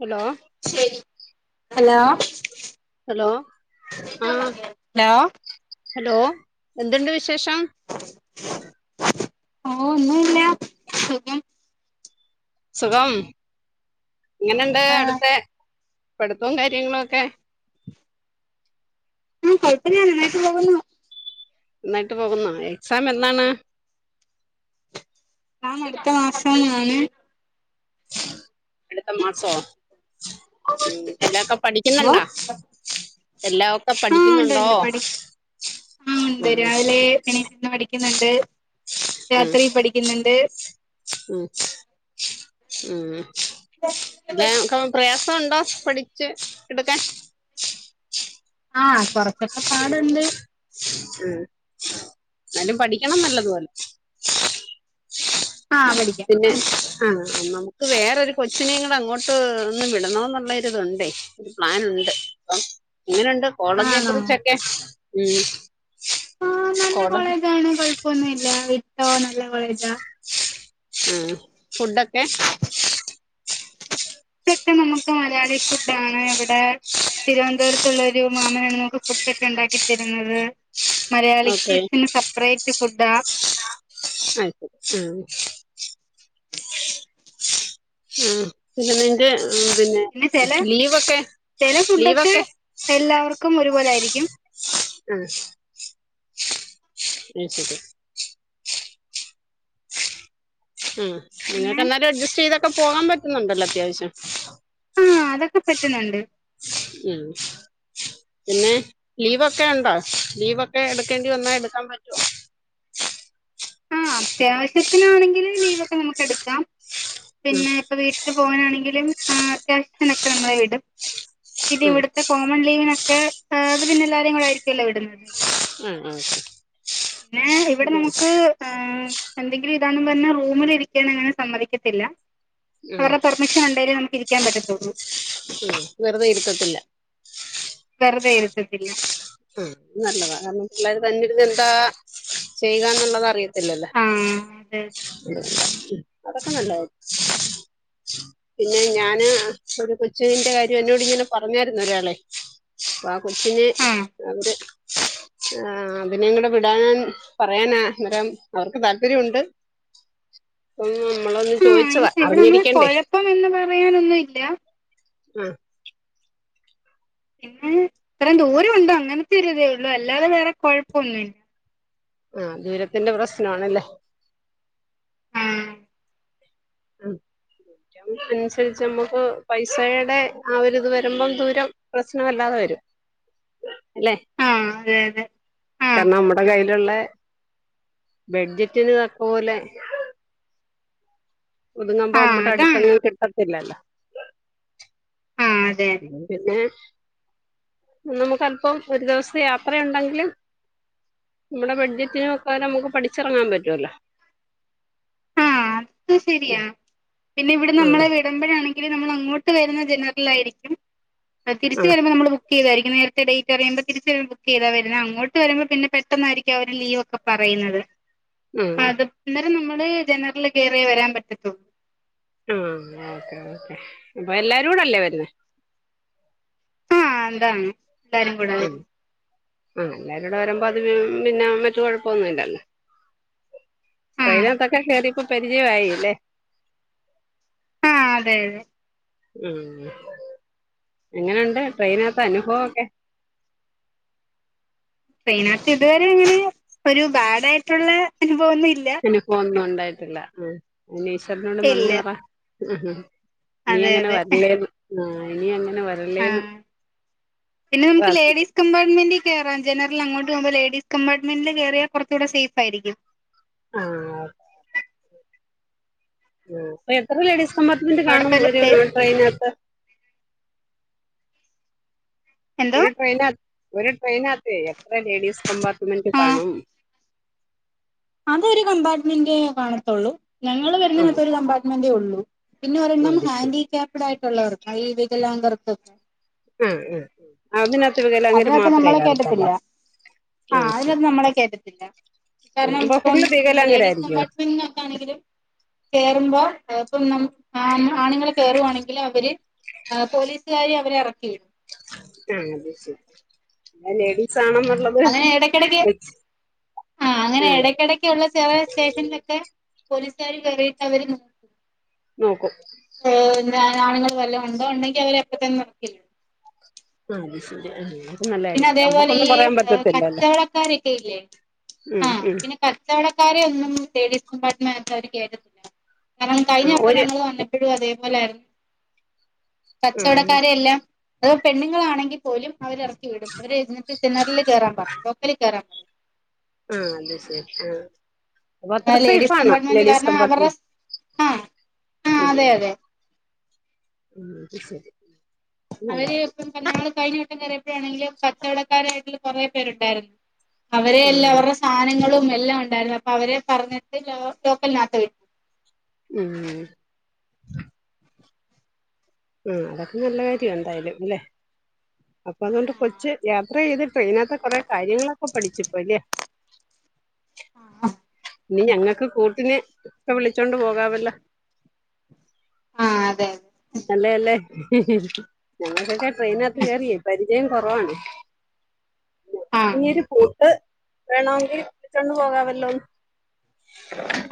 Hello. ശെരി hello. Hello ആ hello എന്തുണ്ട് വിശേഷം? ഓ ഒന്നുല്ല സുഖം. സുഖം എങ്ങനെണ്ട് ആ അട്ത്തെ പഠിത്തവും കാര്യങ്ങളും ഒക്കെ? കൊയപ്പല്ല്യ നന്നായിട്ട് പോവുന്നു. ന്നായിട്ട് പോകുന്നോ എക്സാം എന്നാണ്? ആ അട്ത്ത മാസമാണ്. അട്ത്ത മാസോ ഉം എല്ലക്കെ ഹലോ പഠിക്കുന്നുണ്ടോ? എല്ലാം ഒക്കെ പഠി ണ്ട് ഉണ്ട് ഉം രാവിലെ എണീ പഠി ക്ക്ന്ന്ണ്ട് രാത്രി പഠിക്ക്ന്ന്ണ്ട്. മ്. ഉം പ്രയാസംണ്ടോ പഠി ച് എട്ക്കാൻ? ആ കൊർച്ചൊക്കെ പാട്ണ്ട്. ഉം ന്നാലും പഠിക്കണം നല്ലതുപോലെ. ആ പഠിക്കാം പിന്നെ ആ നമുക്ക് വേറൊരു കൊച്ചിനെ കൂടെ അങ്ങോട്ട് ഒന്ന് വിടണോന്നുള്ളര് ഇത്ണ്ടേ പ്ലന് ഉണ്ട്. അപ്പം ഇങ്ങനെണ്ട്? കോളേജ ആണോ കുറിച്ചൊക്കെ ഉം കോള പ്പൊന്നുംല്ല വിട്ടോ നല്ല കോളേജാ. ആ ഫുഡൊക്കെ? ക്കെ നമക്ക് മലയാളി ഫുഡാണ് ഇവിടെ തിരുവനന്തപുര പുരത്തുള്ളൊരു മാമനാണ് നമുക്ക് ഫുഡൊക്കെ ഇണ്ടാക്കി തര്ന്നത് മലയാളിക്ക് ഓക്കെ സെപ്പറേ [unintelligible] ഫുഡാ ആ ആ. പിന്നെ നിന്റെ പിന്നെ ലീവൊക്കെ ചെല ഫുഡൊക്കെ ലീവൊക്കെ? എല്ലാവർക്കും ഒരുപോലെ ആയിരിക്കും. ആഹ് അത് ശെരി. ആ പിന്നെ നിങ്ങക്ക് എന്നാലും അഡ്ജസ്റ്റ് യ്തൊക്കെ പോകാൻ പറ്റുന്നുണ്ടല്ലോ അത്യാവശ്യം. ആ അതൊക്കെ പറ്റുന്നുണ്ട്. ഉം. പിന്നെ ലീവൊക്കെ ഉണ്ടോ ലീവൊക്കെ എട്ക്കേണ്ടി വന്നാ എട് ക്കാൻ പറ്റോ? ആ അത്യാവശ്യത്തിനാണെങ്കില് ലീവൊക്കെ നമ്മക്ക് എട്ക്കാം പിന്നെ ഇപ്പൊ വീട്ടിൽ പോകാനാണെങ്കിലുംആ അത്യാവശ്യതിനൊക്കെ നമ്മളെ വീടും പിന്നെ ഉം ഇവ്ട്ത്തെ കോമൺ ലീവിനൊക്കെ അത് പിന്നെ എല്ലാരും കൂടെ ആയിരിക്കല്ലോ വിടുന്നത്. ആഹ് ആഹ്. ഏ ഇവിടെ നമുക്ക് ആ എന്തെങ്കിലും ഇതാന്ന് പർഞ്ഞ് റൂമിൽ ഇരിക്കൻ അങ്ങനെ സമ്മതിക്കത്തില്ല. ഉം അവറേ പെർമിഷൻ ഉണ്ടേലെ നമുക്ക് ഇരിക്കാൻ പറ്റത്തുള്ളൂ. വെറ്തെ ഇര്ത്തത്തില്ല. വെറ്തെ ഇര്ത്തത്തില്ല. ആ നല്ലതാ കാരണം പിള്ളേർ തന്നെ രുന്ന് എന്താ ചെയ്യുകാന്ന്ള്ളത് അറിയോ ഇല്ലലെ ആഹ് അതെ അതെ മ് അതൊക്കെ നല്ലാകാ പിന്നെ ഞാന് ഒരു കൊച്ചുവിൻ്റെ കാര്യം എന്നോട് ഇങ്ങനെ പറഞ്ഞാരുന്നു ഒരാളെ അപ്പ ആ കൊച്ചിന് ആഹ് അവര് ആ അതിനെങ്ങട് വിടാൻ പറയാനാ അന്നേരം അവർക്ക് താല്പര്യംഉണ്ട്. ഉം നമ്മളൊന്ന് ആഹ് ചോയിച്ചതാ മീൻസ് ഇവിടൊന്നും അറിഞ്ഞിരിക്കണ്ടേ. കൊഴപ്പം എന്ന് പറയാനൊന്നും ഇല്ല ആഹ് പിന്നെ ഇത്രം ദൂരം ഉണ്ട് അങ്ങനത്തെ ഒരു ഇതേ ഉള്ളൂ അല്ലാതെ വേറെ കൊഴപ്പവൊന്നുമില്ല ആഹ് ദൂരത്തിന്റെ പ്രശ്നം ആണല്ലേ ആഹ് അതനുസരിച്ച് നമ്മുക്ക് പൈസയുടെ ആ ഒരിത് വരുമ്പം ദൂരം പ്രശ്നവല്ലാതെ വരും അല്ലേ ആഹ് അതെ അതെ ആഹ് കാരണം നമ്മടെ കയ്യിലുള്ളെ ബെഡ്ജറ്റിന് തക്ക പോലെ ഒതുങ്ങമ്പോ ആഹ് നമ്മടെ അതാണ് അടുത്തങ്ങ് കിട്ടത്തില്ലല്ലോ അതെ അതെ പിന്നെ നമുക്ക് അല്പം ഒരു ദിവസത്തെ യാത്രയുണ്ടെങ്കിലും നമ്മുടെ ബഡ്ജറ്റനൊത്ത പോലെ നമുക്ക് പഠിച്ചിറങ്ങാൻ പറ്റുവല്ലോ അതും ശരിയാ പിന്നെ ഇവിടെ ആഹ് നമ്മളെ വിടുമ്പോഴാണെങ്കിൽ നമ്മൾ അങ്ങോട്ട് വരുന്ന ജനറൽ ആരിക്കും തിരിച്ച് ആഹ് വരുമ്പോൾ നമ്മള് ബു ക്ക്‌ ചെയ്തായിരിക്കും നേത്തെ ഡേറ്റ് അറിയുമ്പോ തിരിച്ചും ബുക്ക് ചെയ്താ വരുന്നെ അങ്ങോട്ട് വരുമ്പോ പിന്നെ പെട്ടന്നായിരിക്കും അവര് ലീവൊക്കെ പറയുന്നത് അപ്പ ആഹ് അത് അന്നേരം നമ്മള് ജനറൽ കയറിയേ വരാൻ പറ്റത്തുള്ളൂ ആഹ് ഓക്കേ ഓക്കേ അപ്പൊ എല്ലാരുടെ അല്ലേ വരുന്നേ ആഹ് അതാണ് എല്ലാരും കൂടെ ഉം വരുന്നെ ആഹ് എല്ലാരും കൂടെ വരുമ്പോ അതിന് പിന്നെ മറ്റ് കൊഴപ്പവൊന്നും ഇല്ലല്ലോ ആഹ് ട്രെയിനത്തൊക്കെ കയറി ഇപ്പോ പരിചയവായി അല്ലേ ആഹ് അതെ ഉം എങ്ങനെയുണ്ട് ട്രെയിനാത്തെ അനുഭവം ഒക്കെ ട്രെയിനകത്ത് ഇതുവരെ അങ്ങനെ ഒരു ബാഡ് ആയിട്ടുള്ള അനുഭവമൊന്നും ഇല്ല അനുഭവം ഒന്നും ഉണ്ടായിട്ടില്ല ആ അതിന്‌ ഈശ്വരനോട് ഇല്ല നന്ദി പറ ഇനി അതെ അങ്ങനെ അതെ വരല്ലേന്ന് ആ ഇനി അങ്ങനെ വരല്ലേന്ന് ആഹ് പിന്നെ നമുക്ക് പ്രാർത്ഥിക്കാം ലേഡീസ് കമ്പാർട്ട്മെന്റിൽ കയറാം ജനറൽ അങ്ങോട്ട് പോവുമ്പോ ലേഡീസ് കമ്പാർട്ട്മെന്റിൽ കയറിയാൽ കുറച്ചൂടെ സേഫായിരിക്കും ആഹ് ആഹ് അപ്പൊ എത്ര ലേഡീസ് കമ്പാർട്ട്മെന്റ് കാണും ഒരു അവിടെപ്പ ട്രെയിനിനകത്ത് എന്തോ ഒരു ട്രെയിനാ ഒരു ട്രെയിനാത്തെ എത്ര ലേഡീസ് കമ്പാർട്ട്മെന്റ് കാണും അത് ഒരു കമ്പാർട്ട്മെന്റെ കാണത്തുള്ളൂ ഞങ്ങള് ആന്നോ വരുന്നതിനകത്ത് ഒരു കമ്പാർട്ട്മെന്റേ ഉള്ളൂ പിന്നെ ഒരെണ്ണം അത് ശരി ഹാൻഡികാപ്ഡ് ആയിട്ട് ഉള്ളവർക്ക്‌ ഈ വികലാംഗർക്ക്‌ ആ ആ അതിനകത്ത് വികലാംഗര് അതിനകത്ത് മാത്രമേ നമ്മളെ കാണത്തൊള്ളോ കേറ്റത്തില്ല ആഹ് അതിനകത്ത് നമ്മളെ കേറ്റത്തില്ല കാരണം അപ്പൊ ഇപ്പം ഫുള്ള് ലേഡീസ് വികലാംഗരായിരിക്കോ കമ്പാർട്ട്മെന്റിനകത്ത് ആണെങ്കിലും കേറുമ്പോ ഇപ്പം ന ആണുങ്ങളെ കേറുവാണെങ്കിൽ അവര് ആഹ് പോലീസുകാര് അവരെ ഇറക്കിവിടും ആഹ് അത് ശെരി അത് ലേഡീസ് ആണെന്നുള്ളത് അങ്ങനെ ഇടക്കിടക്ക് ഉം ഇടക്കുള്ള ചില സ്റ്റേഷനിലൊക്കെ പോലീസുകാര് കയറിയിട്ട് അവര് നോക്കും ഓ എന്നാ ആണുങ്ങൾ വല്ലതും ഉണ്ടോ ഉണ്ടെങ്കിൽ അവരെ അപ്പൊ തന്നെ ഇറക്കി വിടും ആഹ് അത് ശരി ആ പിന്നെ അതേപോലെ ഈ കച്ചവടക്കാരൊക്കെ ഇല്ലേ ആ ഉം ഉം പിന്നെ ക കച്ചവടക്കാരെ ഒന്നും ലേഡീസ് കമ്പാർട്ട്മെന്റിനകത്ത് അവര് കേറ്റത്തില്ല കാരണം കഴിഞ്ഞ ആഹ് വട്ടം ഒരു ഞങ്ങളൾ വന്ന പ്പഴും അതേപോലെ ആയിരുന്നു ആഹ് കച്ചവടക്കാരെ എല്ലാം അത് പെണ്ണുങ്ങളാണെങ്കിൽ പോലും അവര് ഇറക്കി വിടും അവര് ഇങ്ങനത്തെ ജനറലിൽ കേറാൻ പറയും ലോക്കലിൽ കേറാൻ പറ ആഹ് അത് ശരി ആ അപ്പൊ അത്ര ആ ലേഡീസ് സേഫാണ് കമ്പാർട്ട്മെന്റ് ലേഡീസ് കാരണം അവരുടെ കമ്പാർട്ട്മെന്റ് ആഹ് ആഹ് അതെ അതെ ആ അത് ശരി. നല്ല അവര് കാര്യം ഇപ്പം ഞങ്ങള് കഴിഞ്ഞട്ടം കറിയപ്പോഴാണെങ്കിലും, കച്ചവടക്കാരായിട്ടുള്ള കൊറേ പേര് ഉണ്ടായിരുന്നു. അവര് എല്ലാ ആഹ് അവര്ടെ സാധനങ്ങളും എല്ലാം ഉണ്ടായിരുന്നു. അപ്പൊ അവര് പറഞ്ഞിട്ട് ലോ ലോക്കറിനകത്ത് വെച്. ഉം. ഉം അതൊക്കെ നല്ല കാര്യ എന്തായാലും ല്ലെ. അപ്പൊ അതുകൊണ്ട് കൊറച്ച് ആഹ് യാത്ര ചെയ്ത് ട്രെയിനകത്തെ കൊറേ കാര്യങ്ങളൊക്കെ പഠിച്ചിപ്പോ ല്ലേ. ഇനി ഞങ്ങൾക്ക് കൂട്ടിന് ഒക്കെ വിളിച്ചോണ്ട് പോകാവല്ലോ. ആഹ് അതെ അതെ. നല്ലേ അല്ലേ. ഞങ്ങക്കക്കെ ട്രെയിനാത്ത് കേറിയേ പരി ചയം കുറവാണ്. ആഹ് ഇനിരു ത് വേണോങ്കിൽ വിളിച്ചോണ്ട് പോകാവല്ലോ.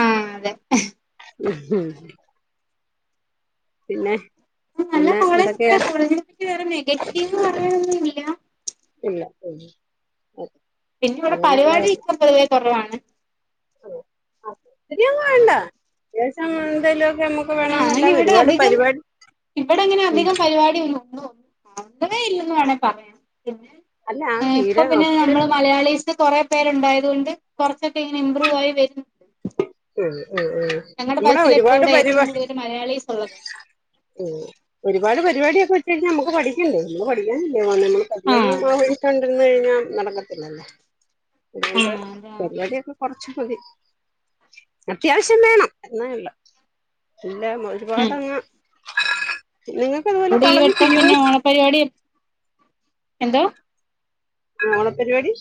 ആഹ് അതെ. മ്മ്ഹ് ഉം. പിന്നെ നല്ല പിന്ന കോളേജ് എന്തൊക്കെയാ, ഒക്കെയാ കോളേജിനെ പറ്റി വേറെ നെഗറ്റീവ് പറയാനൊന്നുല്ല്യ. ഇല്ല ഉം. അ പിന്നെ ഇവിടെ പരിപാടി [unintelligible] പൊതുവേ കുറവാണ്. [unintelligible] ങ്ങോല അതാശ്യം എന്തേലുമക്കെ നമ്മക്ക് ആ അങ്ങനെ ഇവിടെ അധികം ഇവിടെ അങ്ങനെ ഉം അധികം പരിപാടി [unintelligible] [unintelligible] ഇല്ലന്ന് വേണേ പറയം. പിന്നെ അല്ല ആ ഇപ്പൊ തീരെ പിന്നെ ഒത്തിരി നമ്മള് മലയാളിസ് കൊറേ പേരുണ്ടായത് കൊണ്ട് കുറച്ചൊക്കെ ഇങ്ങനെ ഇമ്പ്രൂവ് ആയി വരുന്നു. ഉം ഉം ഉം. ഞങ്ങളുടെ നമ്മളെ ബാച്ചില് ഇപ്പോ ഒരുപാട് ഇവിടെ ഏറ്റവും പരിപാ കൂടുതൽ മലയാളീസാ ഉള്ളത്. ഉം ഒരുപാട് പരിപാടിയൊക്കെ വെച്ച് കഴിഞ്ഞാൽ നമുക്ക് പഠിക്കണ്ടേ. നമ്മള് പഠിക്കാനല്ലേ പോണേ. നമ്മള് ആ പരിപാടിക കണ്ടിര്ന്ന് കഴിഞ്ഞാൽ നടക്ക ല്ലലേ. ആ [unintelligible] അതാ പരിപാടിയൊക്കെ കൊറച്ചു മതി. അത്യാവശ്യം വേണം, എന്നാ ഇല്ല എല്ലാം ഉം ഒരുപാടങ്ങ നിങ്ങ അവിടെ ഈ വട്ടം പിന്നെ ഓണപരിപാടി, എന്തോ? ആ ഓണപരിപാടി,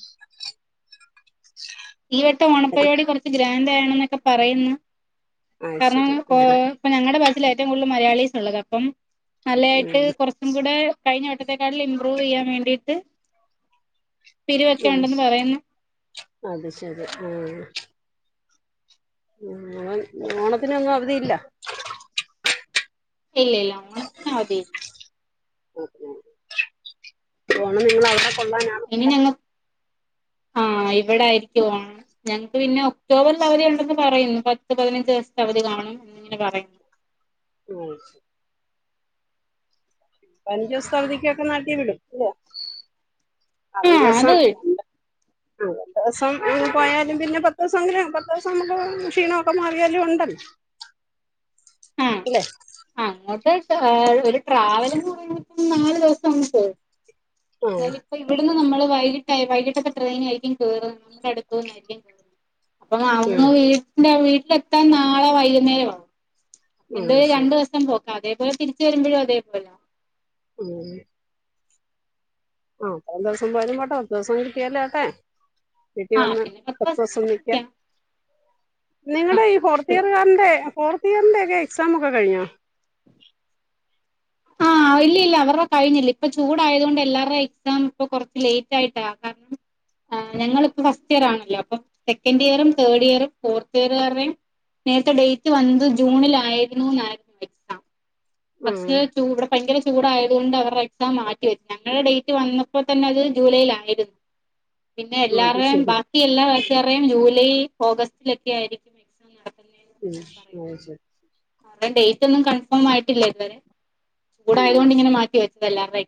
ഈ വട്ടം ഓണപ്പരിപാടി കുറച്ച് ഗ്രാൻഡ് ആണെന്ന് എന്നൊക്കെ പറയുന്ന്‌. ആ കാരണം ശരി കോ ഉം ഞങ്ങളുടെ ബാച്ചില് ഏറ്റവും കൂടുതൽ മലയാളീസ് ഉള്ളത്. അപ്പം നല്ലതായിട്ട് ഉം കുറച്ച്, ഇവ്ടെ കഴിഞ്ഞവട്ടത്തെക്കാട്ടിൽ ഇമ്പ്രൂവ് ചെയ്യാൻ വേണ്ടിയിട്ട്, പിരിവൊക്കെ ഉം ഉണ്ടെന്ന് പറയുന്ന്. അത് ശരി ആഹ്. ഉം ഓ ഓണത്തിനൊന്നും അവധിയില്ല. ഇല്ലയില്ല ഓണത്തിന് അവധിയില്ല. [unintelligible] ഓണം നിങ്ങളവിടെ കൊള്ളാനാ? ഇനി ഞങ്ങ ആ ഇവിടായിരിക്കും ഓണം. ഞങ്ങക്ക് പിന്നെ ഒക്ടോബറിൽ അവധിയുണ്ടെന്ന് പറയുന്നു. പത്ത് പതിനഞ്ചോസത്തെ അവധി കാണും എന്നിങ്ങനെ പറയുന്ന്‌. ഓ ശെരി. പതിനഞ്ചവസത്ത അവതികൊക്കെ നാട്ടീ വിടും ഇല്ലേ. ആഹ് [unintelligible] സം അത് [unintelligible] [inaudible] അ [unintelligible] ദിവസം പോയാലും പിന്നെ പത്ത് ദിവസെങ്കിലും പത്ത് ദിവസം നമ്മക്ക് ക്ഷീണവൊക്കെ മാറിയാലും ഉണ്ടല്ലോ. ആഹ് ഇല്ലേ. അങ്ങോട്ട് ഒരു ട്രാ ട്രാവൽന്ന് പറയുമ്പ നാല് ദിവസം അങ്ങ് പോവും. ആ എന്തായാലും ഇപ്പ ഇവിടുന്ന് നമ്മള് വൈകിട്ടായ് വൈകിട്ടത്തെ ട്രെയിനായിരിക്കും കേറ. നമ്മുടെ അടുത്ത്ന്നായിരിക്കും കേറ. അപ്പ ഉം, അങ്ങ് വീട്ടിൽ വീട്ടിലെത്താൻ നാളെ വൈകുന്നേരം ആവും. ഉം, എന്തായാലും ശരി രണ്ടു ദിവസം പോക്കാ അതേപോലെ തിരിച്ച് വരുമ്പഴും അതേപോലാ. ഉം. ആഹ് ഒര് ദെവസം പോയാലും പോട്ടെ പത്തു ദെവസം കിട്ടിയാലും ആട്ടെ വീട്ടി ആ വന്ന് പിന്നെ പത്ത് ദിവസം പത്തോസം കൂടി നിക്കാം ആ നിങ്ങടെ ഈ അതേ ഫോർത്ത് ഉള്ളൂ ഇയർകാർന്റെ ഫോർത്ത് ഇയറിന്റെ ഒക്കെ എക്സാമൊക്കെ കഴിഞ്ഞോ ആഹ് ഇല്ലില്ല അവരുടെ കഴിഞ്ഞില്ല ഇപ്പൊ ചൂടായത് കൊണ്ട് എല്ലാരുടേം എക്സാം ഇപ്പൊ കൊറച്ച് ലേറ്റ് ആയിട്ടാ കാരണം ആഹ് ഞങ്ങളിപ്പം ഫസ്റ്റിയറാണല്ലോ അപ്പം സെക്കൻഡിയറും തേർഡിയറും ഫോർത്തിയറ് കാര്ടേം നേരത്തെ ഡേറ്റ് വന്നത് ജൂണിലായിരുന്നൂന്നാ ആ പക്ഷെ ചൂ ഇവിടെ ഭയങ്കര ചൂടായത് കൊണ്ടവർടെ എക്സാം മാറ്റിവച്ച് ഞങ്ങളെ ഡേറ്റ് വന്നപ്പോ തന്നത് ജൂലായിലായിരുന്ന് പിന്നെ ആ, അത് എല്ലാരേയും ശരി ബാക്കി എല്ലാ ബാച്ച്കാര്ടെയും ജൂലൈ ഓഗസ്റ്റിലൊക്കെ ആയിരിക് ഉം അത് ശരി ടേം ഡേറ്റൊന്നും കൺഫേം ആയിട്ടില്ല ഇത് വരെ ഉം. ചൂടായതുകൊണ്ട് ഇങ്ങനെ മാറ്റി വെച്ചെല്ലാർടേം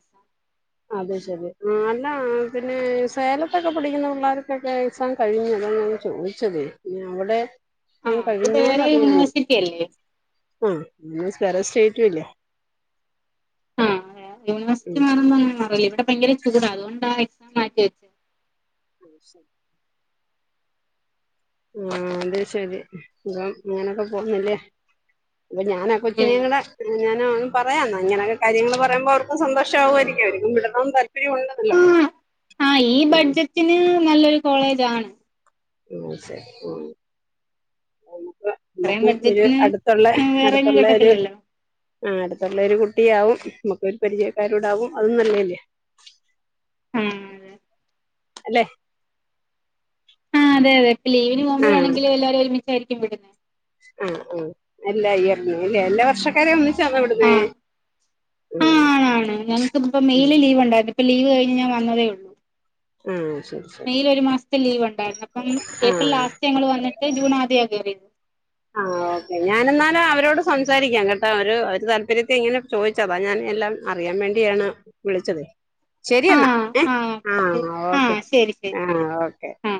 അത് ശെരി ആഹ് അല്ല പിന്നെ സേലത്തൊക്കെ പഠിക്കുന്ന പിള്ളേർക്കൊക്കെ എക്സാം കഴിഞ്ഞു അതാണ് ഞാൻ ചോയിച്ചതെ ഞ് അവിടെ ആ എക്സാം അത് വേറെ കഴിഞ്ഞോന്നറിയാന് യൂണിവേഴ്സിറ്റി അല്ലേ ആഹ് പിന്നെ വേറെ സ്റ്റേറ്റുവല്ലേ ആ യൂണിവേഴ്സിറ്റി ഉം മാറുന്നങ്ങനെ മാറൂല ഇവിടെ ഭയങ്കര ചൂടാ അതുകൊണ്ടാ എക്സാം മാറ്റി വച്ച ആഹ് ശെരി ആഹ് അത് ശരി സുഖം ഇങ്ങനൊക്കെ പോന്ന്ല്യോ അപ്പൊ ഞാനൊ ഉം കൊച്ചിനേയും കൂടെ ഞാന് പറയാന്നാ ഇങ്ങനെയൊക്കെ കാര്യങ്ങള് പറയുമ്പോ അവർക്കും സന്തോഷാവുമായിരിക്കും അവരിക്കും വിടണംന്ന് താല്പര്യം ഒണ്ട് ആഹ് ആ ഈ ബഡ്ജറ്റിന് നല്ലൊരു കോളേജാണ് ഉം ശരി ഉം നോക്കാം അത്രയും നമ്മക്കും ഒരു ബഡ്ജറ്റിന് അടുത്തൊള്ള വേറെങ്ങും അടുത്തൊള്ള ഒരു കിട്ടത്തില്ലല്ലോ ആഹ് അടുത്തുള്ള ഒരു കുട്ടിയാവും അമ്മക്കൊരു പരിചയക്കാരൂടാവും അതും നല്ലയല്യോ ആഹ് അതെ അല്ലെ ആഹ് അതെ അതെ ഇപ്പം ലീവിന് ആഹ് പോകുമ്പഴാണെങ്കിലും എല്ലാവരേം ഒരുമിച്ചായിരിക്കും വിടുന്നേ ആഹ് ആഹ് എല്ലാ ഇയറിനും ല്യോ എല്ലാ വർഷക്കാരേം ഒന്നിച്ചാന്നോ വിടുന്നേ ആഹ് ഉം ആഹ് ആണാണ് ഞങ്ങക്കിപ്പോ ഉം മെയില് ലീവ്ണ്ടായ്ന്ന് ഇപ്പം ലീവ് കഴിഞ്ഞ് ഞാൻ വന്നതേള്ളൂ ആഹ് ശരി ശരി മേയ്യിലൊര് മാസത്തെ ലീവൊണ്ടായിരുന്നു അപ്പം ഏപ്രിൽ ആഹ് ലാസ്റ്റ് ഞങ്ങള് വന്നിട്ട് ജൂൺ ആദ്യാ കേറിയത് ആഹ് ഓക് ഞാനെന്നാല് അവരോട് സംസാരിക്കാം കേട്ടാ ഒരു ഒരു താല്പര്യത്തീ ഇങ്ങനെ ചോദിച്ചതാ ഞാൻ എല്ലാം അറിയാൻ വേണ്ടിയാണ് വിളിച്ചത് ശരിയെന്നാ ഏ ആഹ് ആഹ് ഓക്കെ ശരി ശരി ആഹ് ഓക്കെ ആഹ്